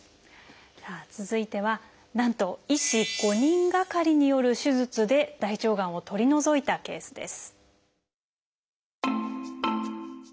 続いてはなんと医師５人がかりによる手術で大腸がんを取り除いたケースです。